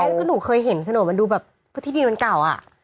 นั่นก็หนูเคยเห็นโฉนดมันดูแบบที่ดินมันเก่าอ่ะ